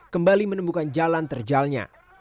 kembali menemukan jalan terjalnya